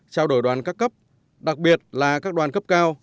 trao đổi đoàn các cấp đặc biệt là các đoàn cấp cao